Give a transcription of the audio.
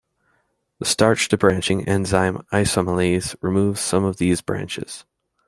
The starch debranching enzyme isoamylase removes some of these branches.